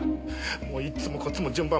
もういっつもこっちの順番守らず。